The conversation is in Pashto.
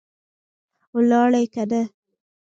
ولاړې که نه؟